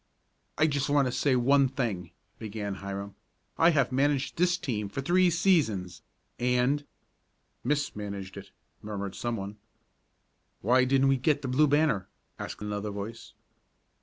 "I just want to say one thing," began Hiram. "I have managed this team for three seasons, and " "Mis managed it," murmured someone. "Why didn't we get the Blue Banner?" asked another voice.